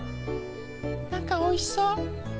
なんかおいしそう。